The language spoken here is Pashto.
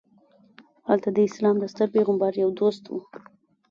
هلته د اسلام د ستر پیغمبر یو دوست و.